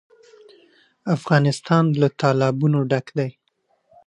افغانستان له تالابونه ډک دی.